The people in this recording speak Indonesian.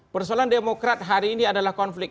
persoalan demokrat hari ini adalah konflik